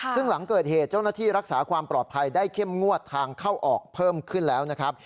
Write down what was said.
ซึ่งหลังเกิดเหตุเจ้าหน้าที่รักษาความปลอดภัยได้เข้มงวดทางเข้าออกเพิ่มขึ้นแล้วนะครับ